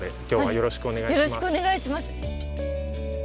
よろしくお願いします。